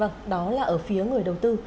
vâng đó là ở phía người đầu tư